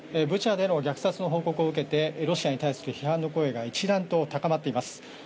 ブチャでの虐殺の報告を受けてロシアに対する批判の声が一段と高まっています。